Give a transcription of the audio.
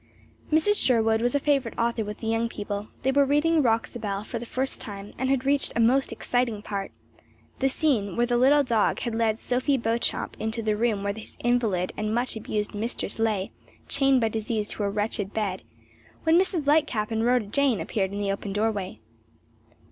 Mrs. Sherwood was a favorite author with the young people; they were reading "Roxobelle" for the first time and had reached a most exciting part the scene where the little dog had led Sophie Beauchamp into the room where his invalid and much abused mistress lay, chained by disease to her wretched bed, when Mrs. Lightcap and Rhoda Jane appeared in the open doorway.